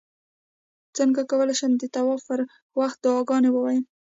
څنګه کولی شم د طواف پر وخت دعاګانې ووایم